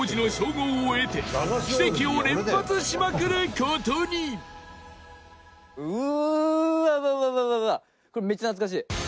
これ、めっちゃ懐かしい。